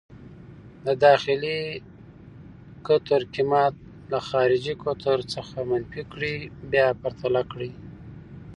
د داخلي قطر قېمت له خارجي قطر څخه منفي کړئ، بیا پرتله یې کړئ.